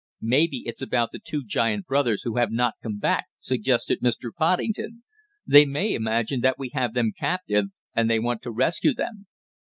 "Maybe it's about the two giant brothers who have not come back," suggested Mr. Poddington. "They may imagine that we have them captive, and they want to rescue them."